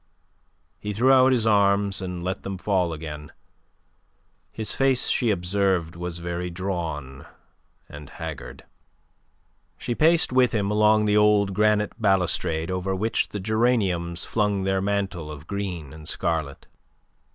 He threw out his arms, and let them fall again. His face she observed was very drawn and haggard. She paced with him along the old granite balustrade over which the geraniums flung their mantle of green and scarlet.